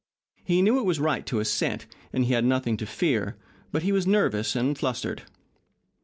He knew it was right to a cent, and he had nothing to fear, but he was nervous and flustered.